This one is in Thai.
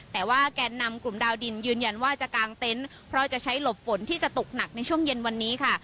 แต่ว่าแกนนำกลุ่มดาวดินยืนยันว่าจะกางเต็นต์เพราะจะใช้หลบฝนที่จะตกหนักในช่วงเย็นวันนี้ค่ะ